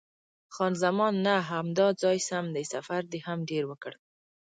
خان زمان: نه، همدا ځای سم دی، سفر دې هم ډېر وکړ.